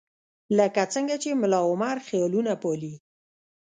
لکه څنګه چې ملاعمر خیالونه پالي.